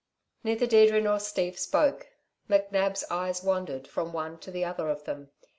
Neither Deirdre nor Steve spoke. McNab's eyes wandered from one to the other of them.